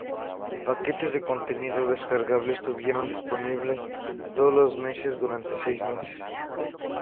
Paquetes de contenido descargable estuvieron disponibles todos los meses durante seis meses.